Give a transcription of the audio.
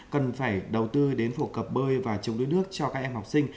cần phải đầu tư đến phổ cập bơi và chống đối nước cho các em học sinh